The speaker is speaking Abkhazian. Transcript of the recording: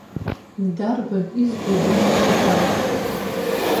Дарбан избо зегь зчаԥаз?